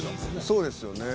「そうですよね」